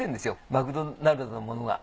マクドナルドのものが。